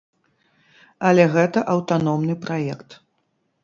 Але гэта аўтаномны праект.